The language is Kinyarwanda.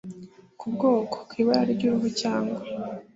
ku bwoko ku ibara ry uruhu cyangwa